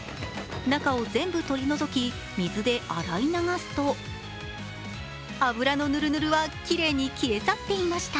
中を全部取り除き、水で洗い流すと油のぬるぬるはきれいに消え去っていました。